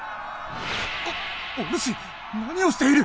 おおぬし何をしている！？